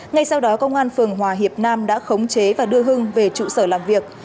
ngay sau đó công an phường hòa hiệp nam đã khống chế và đưa hưng về trụ sở làm việc